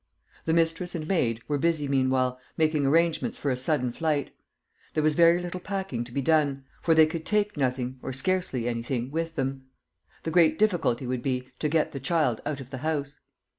The mistress and maid were busy meanwhile, making arrangements for a sudden flight. There was very little packing to be done; for they could take nothing, or scarcely anything, with them. The great difficulty would be, to get the child out of the house.